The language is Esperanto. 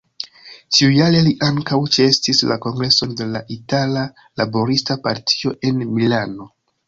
Tiujare li ankaŭ ĉeestis la kongreson de la Itala Laborista Partio en Milano.